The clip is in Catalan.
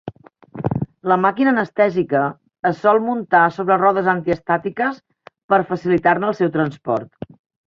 La màquina anestèsica es sol muntar sobre rodes antiestàtiques per facilitar-ne el seu transport.